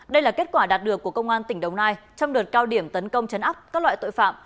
đây là kết quả đạt được của công an tỉnh đồng nai trong đợt cao điểm tấn công chấn áp các loại tội phạm